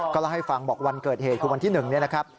เล่าให้ฟังบอกวันเกิดเหตุคือวันที่๑เนี่ยนะครับ